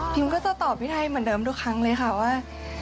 ก็จะตอบพี่ไทยเหมือนเดิมทุกครั้งเลยค่ะว่า